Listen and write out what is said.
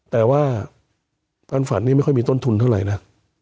แต่ว่าการฝันนี่ไม่ค่อยมีต้นทุนเท่าไหร่นะ